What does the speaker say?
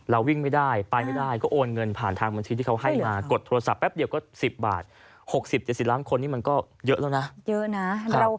วิ่งไม่ได้ไปไม่ได้ก็โอนเงินผ่านทางบัญชีที่เขาให้มากดโทรศัพท์แป๊บเดียวก็๑๐บาท๖๐๗๐ล้านคนนี่มันก็เยอะแล้วนะเยอะนะ